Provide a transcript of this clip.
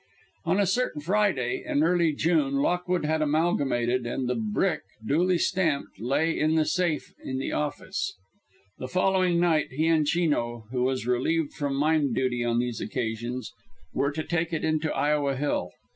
On a certain Friday in early June Lockwood had amalgamated, and the brick, duly stamped, lay in the safe in the office. The following night he and Chino, who was relieved from mine duty on these occasions, were to take it in to Iowa Hill.